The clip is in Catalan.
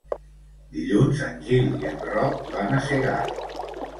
Dilluns en Gil i en Roc van a Segart.